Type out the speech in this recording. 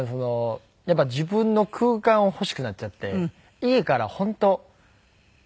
やっぱり自分の空間を欲しくなっちゃって家から本当。